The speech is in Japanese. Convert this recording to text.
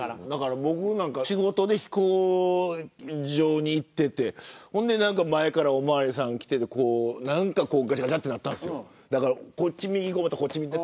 僕なんかは仕事で飛行場に行っていて前から、おまわりさんが来てぐしゃぐしゃっとなったんです。